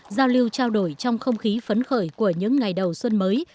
giao lưu trao đổi trong không khí phấn khởi của những ngày đầu xuân mới